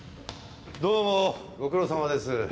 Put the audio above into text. どうもご苦労さまです。